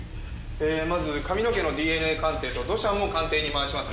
まず髪の毛のＤＮＡ鑑定と土砂も鑑定に回します。